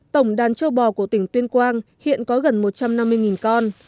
tổng đàn châu bò của tỉnh tuyên quang hiện có gần một trăm năm mươi con